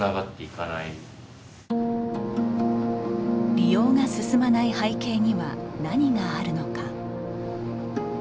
利用が進まない背景には何があるのか。